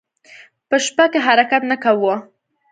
په شپه کې حرکت نه کاوه.